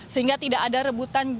sehingga tidak ada rebutan